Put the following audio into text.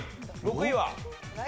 ６位は？